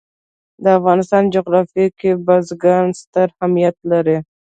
د افغانستان جغرافیه کې بزګان ستر اهمیت لري.